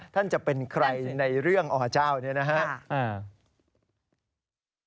ท่านจะเป็นใครในเรื่องอาวาสเจ้าเนี่ยนะฮะ